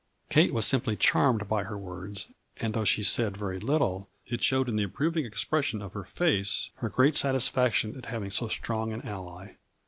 Kate was simply charmed by her words, and, though she said very little, showed in the approving expression of her face, her great satisfaction at having so strong an ally.